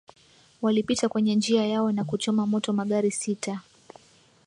walipita kwenye njia yao na kuchoma moto magari sita